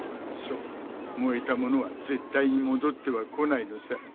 そう燃えた物は絶対に戻ってはこないのさ。